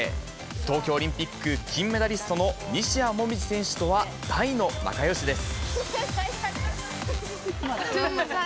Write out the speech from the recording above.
東京オリンピック金メダリストの西矢椛選手とは大の仲よしです。